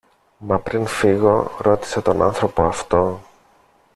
Μα πριν φύγω, ρώτησε τον άνθρωπο αυτό